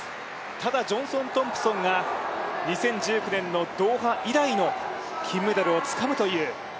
ただジョンソン・トンプソンが２０１９年のドーハ以来の金メダルをつかむという。